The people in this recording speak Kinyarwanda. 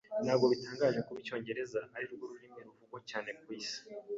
Ntabwo bitangaje kuba Icyongereza arirwo rurimi ruvugwa cyane ku isi.